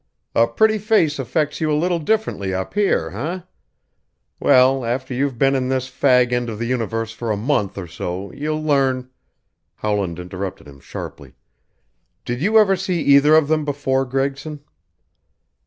"A pretty face affects you a little differently up here, eh? Well, after you've been in this fag end of the universe for a month or so you'll learn " Howland interrupted him sharply. "Did you ever see either of them before, Gregson?"